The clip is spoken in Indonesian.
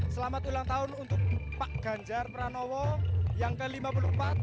selamat ulang tahun untuk pak ganjar pranowo yang ke lima puluh empat